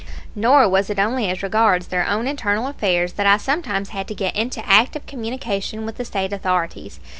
Nor was it only as regards their own internal affairs that I sometimes had to get into active communication with the State authorities.